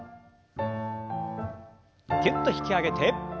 ぎゅっと引き上げて。